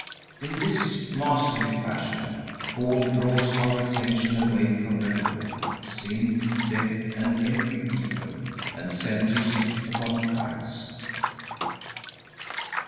In this masterly fashion Paul draws our attention away from the Law, sin, death, and every evil, and centers it upon Christ.